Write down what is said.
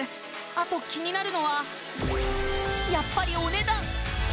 あと気になるのはやっぱりお値段